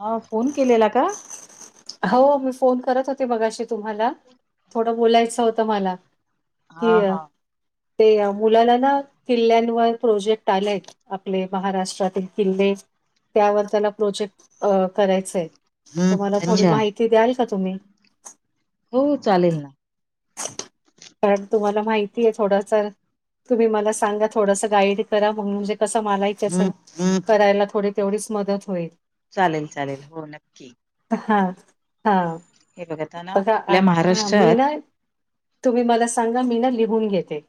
हा फोन केलेला का? हो मी फोन करत होते मघाशी तुम्हाला थोडं बोलायचं होतं मला. कि हा अ हा ते मुलाला ना किल्ल्यांवर प्रोजेक्ट आलाय. आपले महाराष्ट्रातील किल्ले. त्यावर त्याला प्रोजेक्ट अ करायचय तुम्हाला थोडी अच्छा माहिती द्याल का तुम्ही? हो चालेल ना. पण तुम्हाला माहिती आहे थोडस. तुम्ही मला सांगा थोडंसं गाईड करा मगून म्हणजे कसं मलाच.... करायला थोडी तेवढीच मदत होईल. चालेल चालेल हो नक्की. हा हा हे बघ आता ना आपल्या हा मी महाराष्ट्रात ना [inaudible] तुम्ही मला सांगा मी ना लिहून घेते.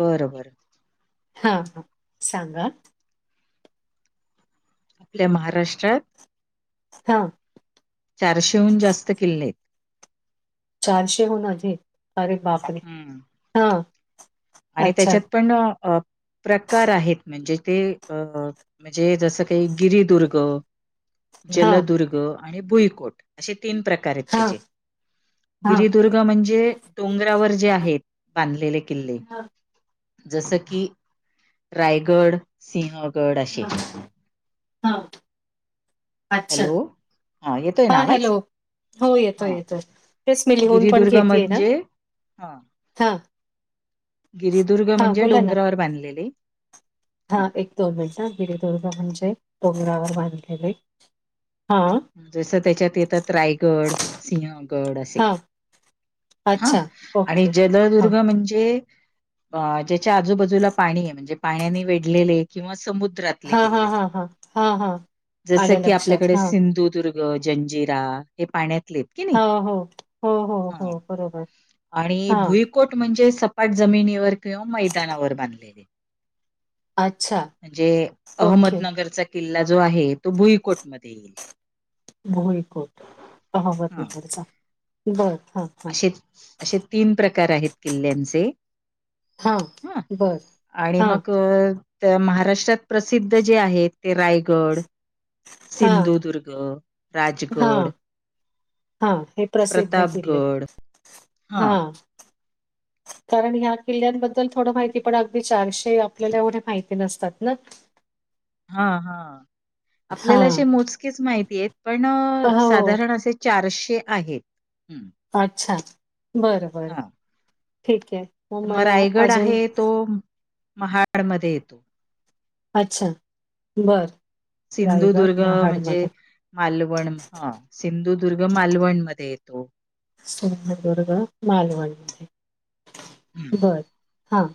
बरं बर. हा हा सांगा? आपल्या महाराष्ट्रात... हां चारशेहून जास्त किल्ले आहेत. चारशे अरे बापरे... हम्म आणि अच्छा. त्याच्यात पण प्रकार आहेत म्हणजे ते.... अ म्हणजे जसं काही गिरदुर्ग, हां, जलदुर्ग,..... आणि भुईकोट असे तीन प्रकार आहेत हां, त्याचे हां, गिरदुर्ग... म्हणजे डोंगरावर जे आहेत बांधलेले किल्ले.. हां, जस की रायगड सिंहगड असे... हा अच्छा.... हॅलो येतोय ना हा आवाज हॅलो हो येतो हा येतो तेच मी लिहून पण गिरिदुर्ग घेेतये ना... म्हणजे हा. हा गिरीदुर्ग म्हणजे डोंगरावर बांधलेले. हा एक दोन मिनट ना गिरीदुर्गा म्हणजे डोंगरावर बांधलेले हां, जस त्याच्यात येतात रायगड, सिंहगड असे. हां, हा अच्छा. आणि ओके. हां, जलदुर्ग म्हणजे. अ ज्याच्या आजूबाजूला पाणी आहे म्हणजे पाण्याने वेढलेले किंवा समुद्रात. हा हा हा हा हा हा जसं आलं की लक्षात आपल्याकडे हा. सिंधुदुर्ग जंजीरा. हे पाण्यातलेत की नाही हो, हो, हो, हो, हा हो, बरोबर. आणि हां, भुई. कोट म्हणजे सपाट जमिनीवर किंवा मैदानावर बांधलेले. अच्छा. म्हणजे ओके. अहमदनगरचा किल्ला जो आहे तो भुईकोट मध्ये येईल. भुईकोट हा अहमदनगरचा बरं हा. असे असे तीन प्रकार आहेत किल्ल्याचे. हां, हा बरं. आणि हां, मगं. तर महाराष्ट्रात प्रसिद्ध जे आहेत ते रायगड - हां, सिंधुदुर्ग राजगड- हा हे प्रसिद्ध किल्ले प्रतापगड हा. कारण ह्या किल्ल्यांबद्दल थोडं माहिती पण अगदी चारशे आपल्याला एवढे माहिती नसतात ना. हा हा आपल्याला हां. असे मोजकेच माहिती आहेत पण हो. साधारण असे - चारशे आहेत. अच्छा बरं बर हा ठीक आहे. तर मग मला रायगड अजून आहे तो महाडमध्ये येतो. अच्छा बरं. सिंधुदुर्ग रायगड म्हणजे? महाडमध्ये, मालवण ह सिंधुदुर्ग मालवणमध्ये येतो. सिंधुदुर्ग मालवण मध्ये हम्म. बरं हा.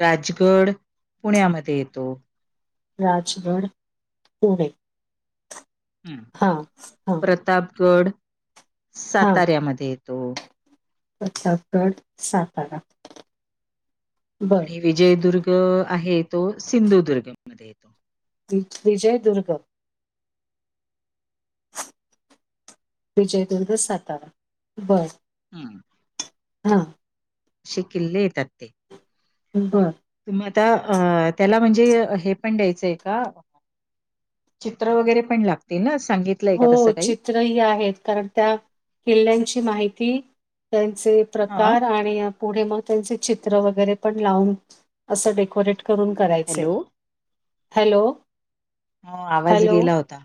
राजगड पुण्यामध्ये येतो. राजगड पुणे. हम्म, हा हा. प्रतापगड साताऱ्यामध्ये येतो. प्रतापगड सातारा बरं. विजयदुर्ग आहे तो सिंधुदुर्ग मध्ये येतो. विजयदुर्ग. विजयदुर्ग सातारा बरं. हम्म, हा. अशे किल्ले येतात ते. बरं. तुम्हा आता अ त्याला म्हणजे हे पण द्यायचंय का? चित्र वगैरे पण लागते ना सांगितलंय का तसं काही. तरी हे आहेत कारण त्या किल्ल्याची माहिती त्यांचे - हा प्रकार आणि पुढे मग त्यांचे चित्र वगैरे पण लावून असं डेकोरेट - करून करायच हॅलो. हॅलो! हो आवाज हॅलो. गेला होता.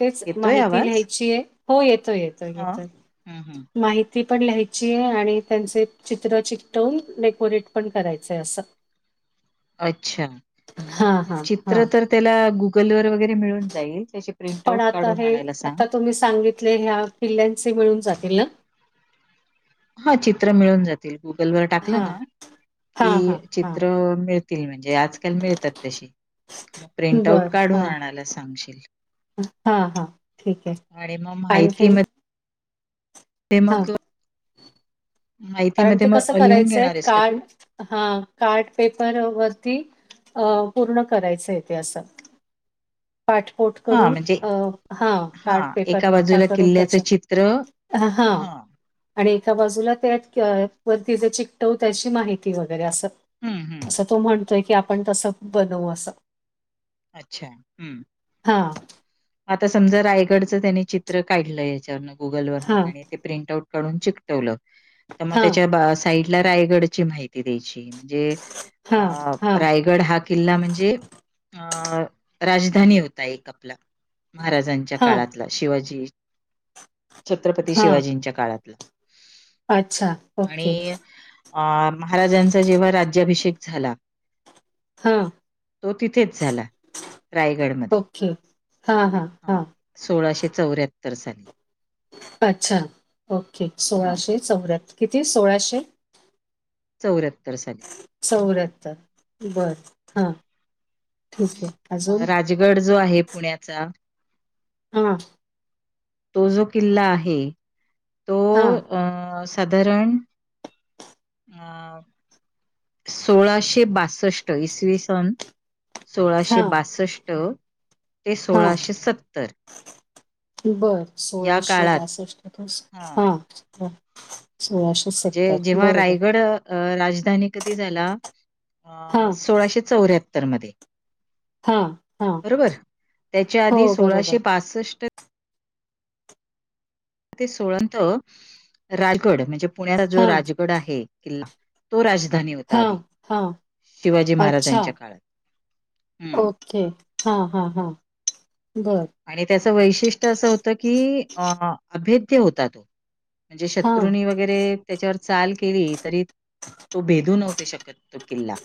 तेच येतोय माहिती आवाज लिहायची आहे हो येतोय येतो हा. येतोय हम्म हम्म माहिती. ती पण लिहायची आहे आणि त्यांचे चित्र चिकटवून डेकोरेट पण करायचंय असं. अच्छा हां, हां, हां. चित्र तर त्याला गु - कलर वगैरे मिळून जाईल त्याचे प्रिंट पण आउट आता काढून हे आणायला सांग. आता तुम्ही सांगि. तर ह्या पिलांचे मिळून जातील ना. हा चित्रं मिळून जातील गुगलवर टाकलं हां. ना हां, की हां, हां. चित्रं मिळ तील म्हणजे आजकाल मिळतात तशी मग प्रिंट आउट काढून आणायला सांगशील. हा हा ठीक आणि मग आहे आणखीन ते हां. मग कारण माहितीमध्ये ते कसं मग लिहून करायचंय घेणार आहेस का तू? कार्ट हा कार्ट पेपर वरती अ पूर्ण करायचंय तेे असं. पाठपोठ हा करून म्हणजे अ हा कार्ट हा पेपर एका मोठा बाजूला करून किल्ल्याचं त्याच्या चित्र अ हां हा आणि एका बाजूला त्या वरती जे चिकटवु त्याची माहिती वगैरे असं. हम्म हम्म असं तो म्हणतोय की आपण तस बनवू असं. अच्छा हम्म. हा हा आता समजा रायगडचं त्यानी चित्र काढलंय हेच्यावरण गुगलवरन हां, आणि ते प्रिंट आउट काडून चिकटवलं तर मग हां, त्याच्या बा साईड ला रायगडची माहिती द्यायची. जे हां, अ हां, रायगड हा किल्ला म्हणजे अ राजधानी होता एक आपला महाराजांच्या हां, काळात ला शिवाजी छत्रपती हां. शिवाजींच्या काळातला. अच्छा. आणि ओके. अ महाराजांचा जेव्हा राज्याभिषेक झाला. हां तो तिथेच झाला रायगडमध्ये ओके हा हां-हां-हां सोळाशे चौऱ्याहत्तर साली. अच्छा ओके हा सोळाशे चौऱ्याहत्त किती सोळाशे? चौऱ्याहत्तर सा चौऱ्याहत्तर बर हा ठीके अजून. गड जो आहे पुण्याचा हा तो जो किल्ला आहे तो हां, अं साधारण अं सोळाशे बासष्ट, इसवी सन सोळाशे हां, बासष्ट ते सोळाशे सत्तर. बर या सोळाशे काळात बासष्ट पस हा. हां सोळाशे म्हणजे जेंव्हा रायगडं- अ राजधानी कधी झाला अ हां, सोळाशे चौऱ्याहत्तर मध्ये. हां, हां. बरोबर त्याच्या हो, आधी सोळाशे बरोबर. बासष्ट ते सोळंतं रायगड म्हणजे पुण्याला जो हां, राजगड आहे किल्ला तो राजधानी होता हां, आधी हां. शिवाजी महाराजांच्या काळात. हम्म हम हां -हां- हां बर. आणि त्याचं वैशिष्ट्य असं होतं की अ अभेद्य होता तो. म्हणजे हां. शत्रूनीं वग्- वेगैरे त्याच्यावर चाल केली तरी तो भेदू नव्हते शकत तो किल्ला.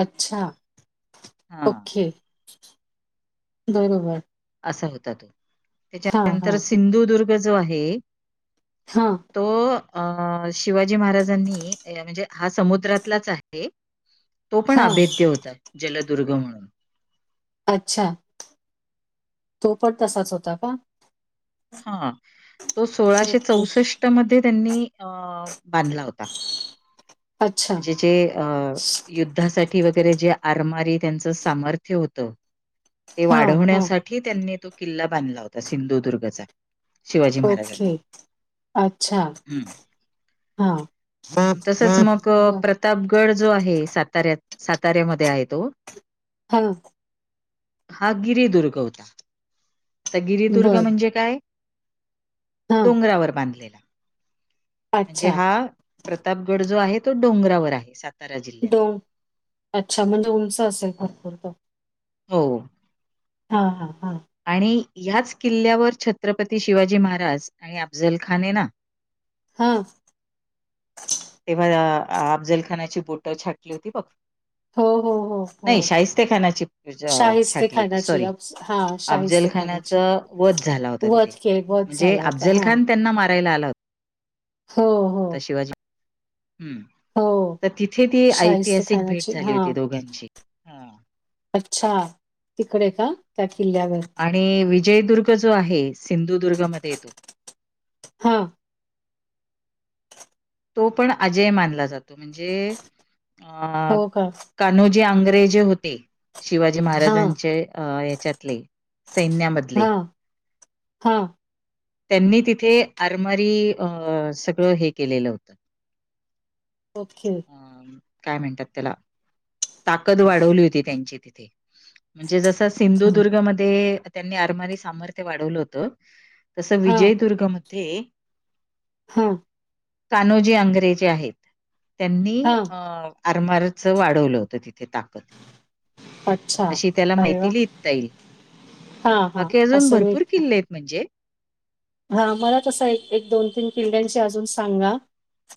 अच्छा, हां, ओके, बरोबर. असा होता तो, हां, त्याच्यानंतर हां, सिंधुदुर्ग जो आहे. हां तो अ शिवाजी महाराजांनी म्हणजे हा समुद्रातलाच आहे तो पण हां. अभेद्य होता जलदुर्ग म्हणून अच्छा तो पण तसाच होता का हा तो सोळाशे ओके. चौसष्ट मध्ये त्यांनी अ बांधला होता अच्छा. म्हणजे जे अ युद्धासा ठी वगेरे जे आरमारी त्यांचं सामर्थ्य होतं ते हां, हां. वाढवण्यासा ठी त्यांनी तो किल्ला बांधला होता सिंधुदुर्गचा शिवाजी ओके महाराजांनी. अच्छा हम्म हा तो प्रतापगड जो आहे साताऱ्यात साताऱ्यामध्ये आहे तो हा हा गिरीदुर्ग होता आता गिरीदुर्ग बरं. म्हणजे काय हां. डोंगरावर बांधलेला म्हणजे अच्छा. हा प्रतापगड जो आहे तो डोंगरावर आहे सात डोंग अच्छा म्हणजे उंच असेल भरपूर तो हो हा हा हा आणि ह्याच किल्ल्यावर छत्रपती शिवाजी महाराज आणि अफझल खान आहे ना हा तेव्हा अफजलखानाची बोटं छाटली होती बघ हो हो हो, नाही हो. शाहिस्ते खानाची शाहिस्ते छाटली होती खानाची सॉरी अब्स हां, शाहिस्ते खानाची. अफजलखानाचं वध झाला होता तिथे वध के वध म्हणजे झाला होता. अफजल हां. खान त्यांना मारायला आला हो हो हो शिवाजी हम्म हो. तर तिथे ती शाहिस्ते ऐतिहासिक भेट खानाची झाली हां. होती दोघांची हां. अच्छा तिकडे का त्या किल्ल्यावर आणि विजयदुर्ग जो आहे सिंधुदुर्गमध्येय तो हा तो पण अजय मानला जातो म्हणजे अं हो का? कान्होजी आंग्रे जे होते शिवाजी हां. महाराजांचे अ हेच्यातले सैन्यामधले हा त्यांनी तिथे आरमारी अ सगळं हे केलेलं होतं ओके अ काय म्हणतात त्याला ताकद वाढवली होती त्यांची तिथे म्हणजे जसं छान. सिंधुदुर्गमध्ये त्यांनी आरमारी सामर्थ्य वाढवलं होतं तसं हां, विजयदुर्गमध्ये हा कानोजी आंग्रे जे आहेत त्यांनी हां. अ आरमारचं वाढवलं होतं तिथे ताक कद अच्छा. अशी त्याला अरे माहिती वाह! लिहिता येईल हां, हां. बाकी अजून असं भरपूर किल्ले आहेत म्हणजे हा मला तसं एक एक दोन तीन किल्ल्यांची अजून सांगा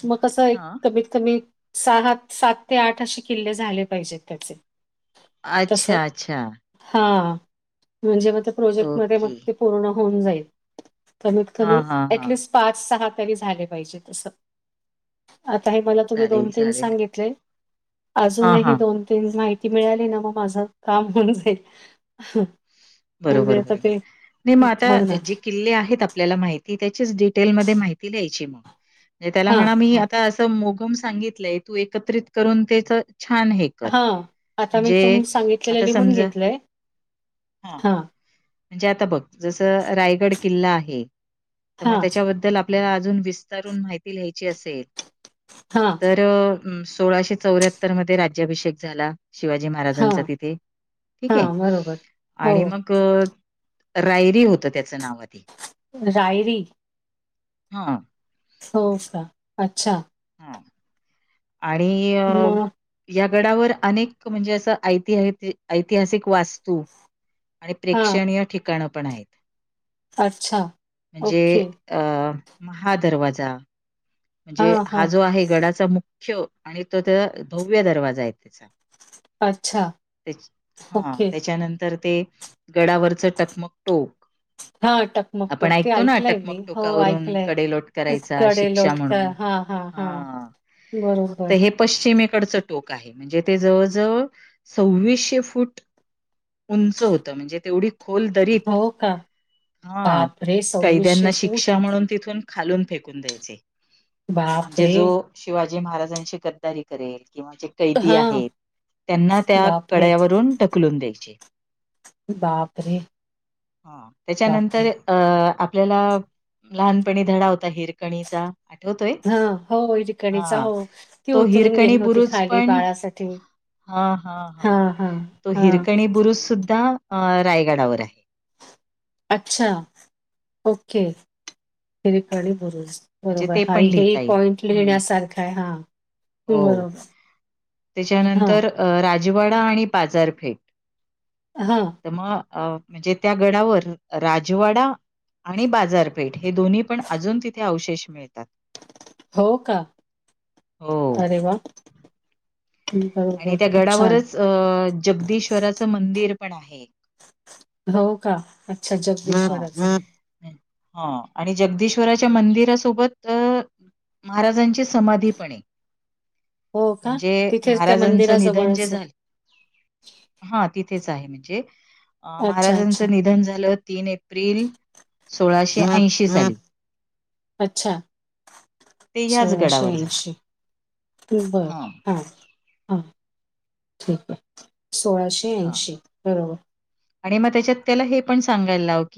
मग कसं एक हां. कमीत कमी सहात सात ते आठ असे किल्ले झाले पाहिजेत त्याचे अच्छा अच्छा हा म्हणजे मग ते प्रोजेक्ट मध्ये मग ओके. ते पूर्ण होऊन जाईल कमीत कमी हां, हां, हां. एटलिस्ट पाच सहा तरी झाले पाहिजे असं आता हे मला तुम्ही दोन चालेल, तीन चालेल. सांगितले हां, अजूनही हां. दोन तीन माहिती मिळाली ना मग माझं काम होऊन जाईल ह. बरोबर बरोबर नाही मग हो ना आता जी किल्ले आहेत आपल्याला माहिती त्याचीच आता डिटेल मध्ये माहिती द्यायची मग त्याला हा म्हणा मी हा आता मोगम सांगितलंय तू एकत्रित करून तेच छान हे कर. हा आता मी म्हणजे तुम्ही सांगितलेलं आता लिहून समजा घेतलंय हां, हा. म्हणजे आता बघ जस रायगड किल्ला आहे तर हा मग त्याच्याबद्दल आप आपल्याला अजून विस्तारून माहिती लीहायची असेल. हा तर सोळाशे चौऱ्याहत्तर मध्ये राज्याभिषेक झाला. शिवाजी हा महाराजांचा तिथे ठीक हा आहे बरोबर हो आणि मग रायरी होत त्याचं नाव आधी. रायरी हा [unintelligible] का अच्छा हा आणि अ मग या गडावर अनेक म्हणजे असं ऐति ऐतिहासिक वास्तू आणि हा प्रेक्षणीय ठिकाणं पण आहेत अच्छा म्हणजे ओके अ महादरवाजा म्हणजे हा जो आहे गडाचा मुख मुख्य आणि तो त्या भव्य दरवाजा आहे त्याचा. अच्छा हा ओके त्याच्यानंतर ते गडावरच टकमक टोक हा टकमक आपण टोक ते ऐकतो ना ऐकलंय मी टकमक हो टोकावरून ऐकलंय कडेलोट करायचा कडे शिक्षा म्हणून हा बरं तर हे पश्चिमेकडचं टोक आहे म्हणजे ते जवळजवळ सव्वीसशे फूट उंच होतं म्हणजे तेवढी खोल दरीत हो का हा बापरे कैद्यांना सव्वीसशे फूट शिक्षा म्हणून तिथून खालून फेकून द्यायचे म्हणजे बापरे जो शिवाजी महाराजांशी गद्दारी करेल किंवा जे कैदी हा आहेत त्यांना त्या बापरे कड्यावरून ढकलून द्यायचे. बापरे हा बापरे! त्याच्यानंतर. अ आपल्याला लहानपणी धडा होता हिरकणीचा आठवतोय. हा हो हिरकाणीचा हां. हो ती तो उतरून गेली होती खायली बाळासाठी. हा हा हा हां, हां, तो हां. हिरकणी बुरुज सुद्धा रायगडावर आहे. अच्छा ओके हिरकणी बुरूज. म्हणजे बरोबर ते हा पण हे लिहिता येईल. पॉइंट हं. लिहिण्यासारखा आहे हा. हो हां, त्याच्यानंतर राजवाडा आणि बाजारपेठ हा तर मग म्हणजे त्या गडावर राजवाडा आणि बाजारपेठ हे दोन्ही पण अजून तिथे अवशेष मिळतात. हो का? हो अरे वा! आणि त्या गडावरच अ जगदीश्वराचं मंदिर पण आहे. हो का अच्छा हां. अच्छा [unintelligible] हा आणि जगदीश्वराच्या मंदिरासोबत अ महाराजांची समाधीपण आहे, हो का? म्हणजे तिथेच त्या महाराजांच निधन जे मंदिराजवळच आहे. झालं, हा तिथेच आहे. म्हणजे अच्छा, अच्छा. महाराजांचं निधन झालं तीन एप्रिल, सोळाशे ऐंशी साली. अच्छा ते ह्याच सोळाशे गडावर झालं. ऐंशी बर हा. हां ठीक आहे. सोळाशे हा ऐंशी बरोबर आणि मग त्याच्यात त्याला हे पण सांगायला लाव की,